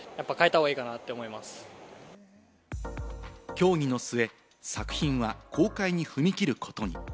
協議の末、作品は公開に踏み切ることに。